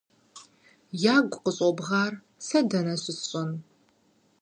- Ягу къыщӏобгъэр сэ дэнэ щысщӏэн?